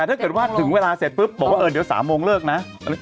แต่ถ้าถึงเวลาเสร็จปุ๊บบอกว่า๓โมงเลิกนะ